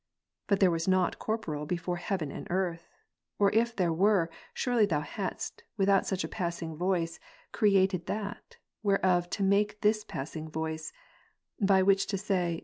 But there was nought corporeal before heaven and earth ; or if there were, surely Thou hadst, without such a passing voice, created that, whereof to make this passing voice, by which to say.